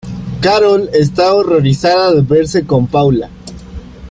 Carol está horrorizada de verse en Paula.